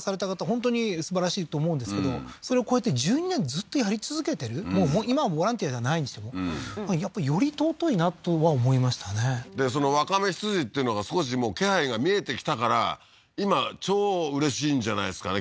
本当にすばらしいと思うんですけどそれをこうやって１２年ずっとやり続けてるもう今はボランティアじゃないにしてもやっぱりより尊いなとは思いましたねでそのわかめ羊っていうのが少し気配が見えてきたから今超うれしいんじゃないですかね